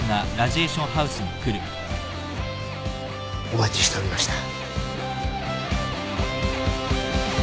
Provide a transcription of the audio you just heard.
お待ちしておりました。